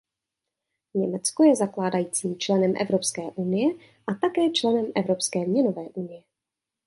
Německo je zakládajícím členem Evropské unie a také členem Evropské měnové unie.